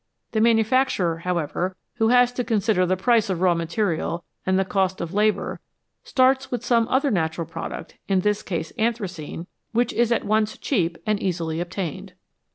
The manufacturer, how ever, who has to consider the price of raw material and the cost of labour, starts with some other natural pro duct, in this case anthracene, which is at once cheap and easily obtained.